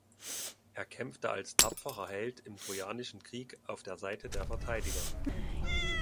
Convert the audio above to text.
Er kämpfte als tapferer Held im trojanischen Krieg auf der Seite der Verteidiger.